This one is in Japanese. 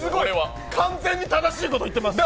完全に正しいこと言ってます